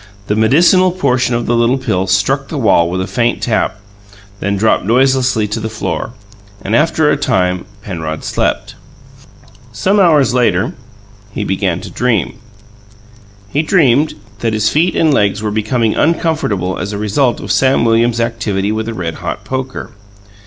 The medicinal portion of the little pill struck the wall with a faint tap, then dropped noiselessly to the floor, and, after a time, Penrod slept. Some hours later he began to dream; he dreamed that his feet and legs were becoming uncomfortable as a result of Sam Williams's activities with a red hot poker.